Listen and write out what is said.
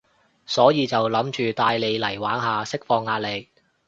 所以就諗住帶你嚟玩下，釋放壓力